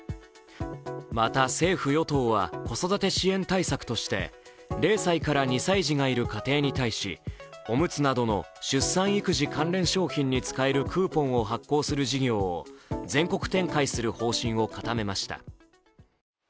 また、政府・与党は子育て支援対策として０歳から２歳児がいる家庭に対しおむつなどの出産・育児関連商品に使えるクーポンを発行する事業を全国展開する方針を固めました。